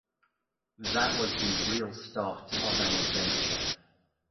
That was the real start of an adventure.